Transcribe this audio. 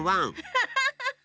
ハッハハハ！